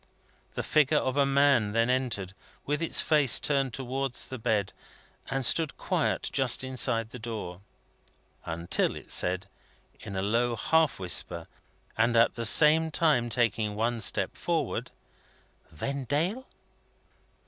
The figure of a man then entered, with its face turned towards the bed, and stood quiet just within the door. Until it said, in a low half whisper, at the same time taking one stop forward: "Vendale!"